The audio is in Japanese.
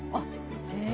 「へえ！」